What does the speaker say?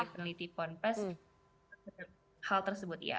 peneliti puan pes hal tersebut ya